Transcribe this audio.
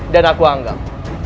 dan aku anggap